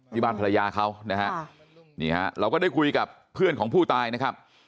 ภรรยาเขานะฮะนี่ฮะเราก็ได้คุยกับเพื่อนของผู้ตายนะครับ